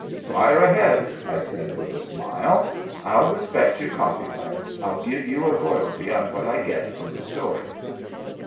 "Fire ahead!" I said, with a smile. "I'll respect your copyright. I'll give you a royalty on what I get for the story."